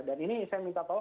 dan ini saya minta tahu